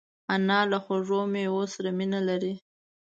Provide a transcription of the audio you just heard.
انا له خوږو مېوو سره مینه لري